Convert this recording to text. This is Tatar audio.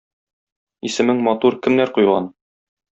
Исемең матур, кемнәр куйган?